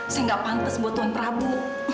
saya gak pantes buat tuan prabu